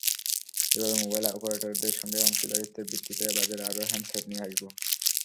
এভাবে মোবাইল অপারেটরদের সঙ্গে অংশীদারিত্বের ভিত্তিতে বাজারে আরও হ্যান্ডসেট নিয়ে আসব।